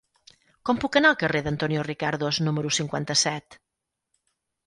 Com puc anar al carrer d'Antonio Ricardos número cinquanta-set?